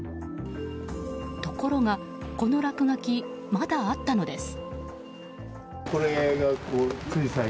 ところが、この落書きまだあったのです。